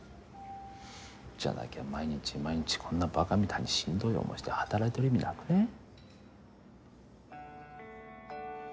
じゃなきゃ毎日毎日こんなばかみたいにしんどい思いして働いてる意味なくねぇ？